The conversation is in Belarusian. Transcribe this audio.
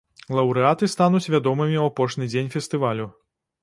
Лаўрэаты стануць вядомымі ў апошні дзень фестывалю.